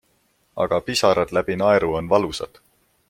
Aga pisarad läbi naeru on valusad.